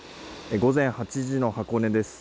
午前８時の箱根です。